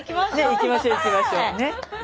行きましょう行きましょう。